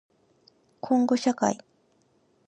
こんごしゃかい